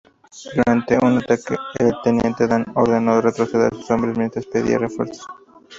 Durante un ataque, el teniente Dan ordenó retroceder a sus hombres mientras pedía refuerzos.